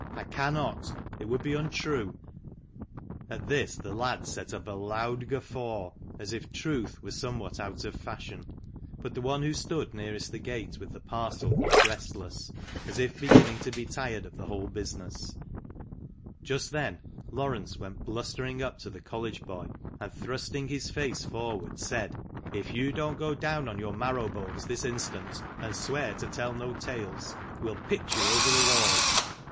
I cannot ; it would be untrue !" At this the lads set up a loud guffaw, as if truth were somewhat out of fashion ; but the one who stood nearest the gate with the parcel looked restless, as if beginning to be tired of the whole business. Just then Laurence went blustering up to the College boy, and, thrusting his face forward, said — H2 THE MANCHESTER MAN. " If you don't go down on your marrow bones this instant, and swear to tell no tales, \ve'll pitch you over the wall."